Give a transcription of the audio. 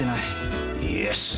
イエス。